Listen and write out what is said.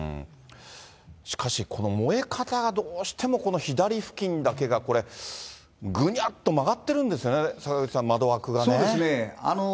しかし、この燃え方がどうしても左付近だけが、これ、ぐにゃっと曲がってるんですよね、坂口さん、そうですね。